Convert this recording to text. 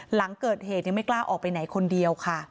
หลังเกิดเหตุยังไม่กล้าออกไปไหนคนเดียวค่ะ